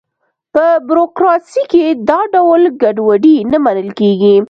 په بروکراسي کې دا ډول ګډوډي نه منل کېږي.